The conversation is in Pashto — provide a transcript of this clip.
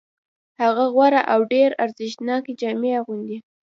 هغه غوره او ډېرې ارزښتناکې جامې اغوندي